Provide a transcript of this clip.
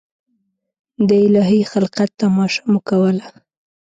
د الهي خلقت تماشه مو کوله.